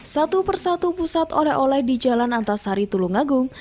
satu persatu pusat oleh oleh di jalan antasari tulungagung